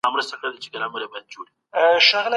موږ د بازارموندنې په اړه معلومات راټولوو.